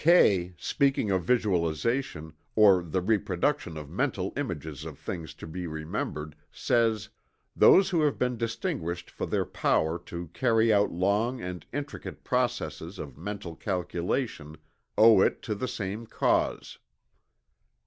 Kay, speaking of visualization, or the reproduction of mental images of things to be remembered, says: "Those who have been distinguished for their power to carry out long and intricate processes of mental calculation owe it to the same cause."